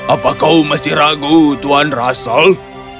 apa kau masih ragu tuan russell